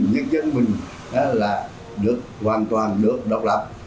nhân dân mình là được hoàn toàn được độc lập